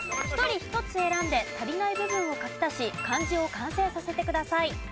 １人１つ選んで足りない部分を書き足し漢字を完成させてください。